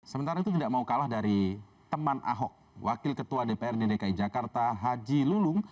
sementara itu tidak mau kalah dari teman ahok wakil ketua dprd dki jakarta haji lulung